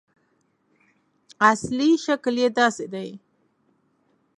اصلي شکل یې داسې دی.